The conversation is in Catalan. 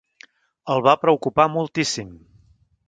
El va preocupar moltíssim.